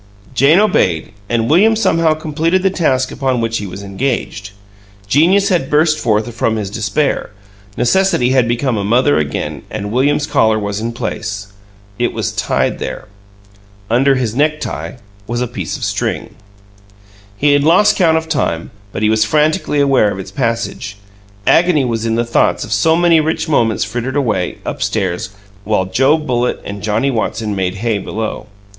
Jane obeyed, and William somehow completed the task upon which he was engaged. Genius had burst forth from his despair; necessity had become a mother again, and William's collar was in place. It was tied there. Under his necktie was a piece of string. He had lost count of time, but he was frantically aware of its passage; agony was in the thought of so many rich moments frittered away; up stairs, while Joe Bullitt and Johnnie Watson made hay below.